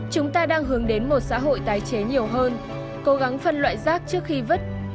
chúng ta đang hướng đến một xã hội tái chế nhiều hơn cố gắng phân loại rác trước khi vứt